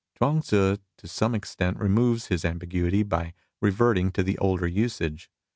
Chuang Tzu to some extent removes this am biguity by reverting to the older usage.